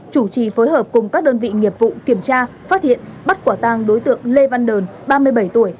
chủ trì phối hợp cùng các đơn vị nghiệp vụ kiểm tra phát hiện bắt quả tang đối tượng lê văn đờn ba mươi bảy tuổi